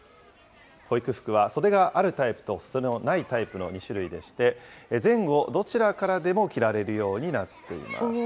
保育服は袖があるタイプと袖のないタイプの２種類でして、前後どちらからでも着られるようになっています。